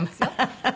ハハハハ。